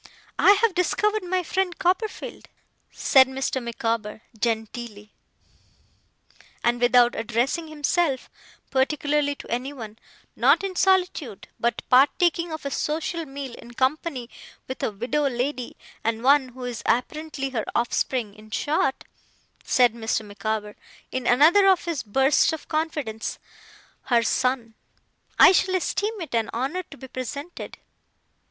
'I have discovered my friend Copperfield,' said Mr. Micawber genteelly, and without addressing himself particularly to anyone, 'not in solitude, but partaking of a social meal in company with a widow lady, and one who is apparently her offspring in short,' said Mr. Micawber, in another of his bursts of confidence, 'her son. I shall esteem it an honour to be presented.